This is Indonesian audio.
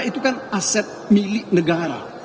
itu kan aset milik negara